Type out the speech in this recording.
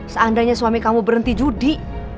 seandainya suami kamu berhenti judi